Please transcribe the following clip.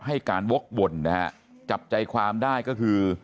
ให้การวกวนนะฮะจับใจความได้ก็คือ